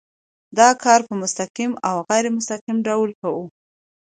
دا کار په مستقیم او غیر مستقیم ډول کوي.